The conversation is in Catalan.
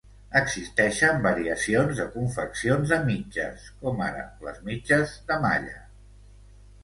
Existeixen variacions de confeccions de mitges, com ara les mitges de malla.